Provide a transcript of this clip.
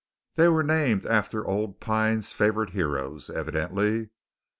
They were named after old Pine's favourite heroes, evidently.